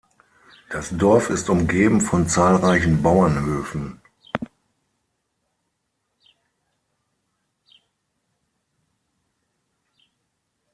Das Dorf ist umgeben von zahlreichen Bauernhöfen.